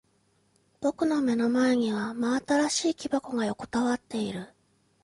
僕の目の前には真新しい木箱が横たわっている。